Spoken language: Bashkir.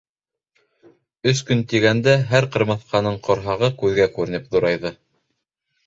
Өс көн тигәндә, һәр ҡырмыҫҡаның ҡорһағы күҙгә күренеп ҙурайҙы.